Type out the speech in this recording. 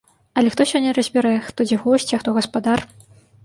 Але хто сёння разбярэ, хто дзе госць, а хто гаспадар.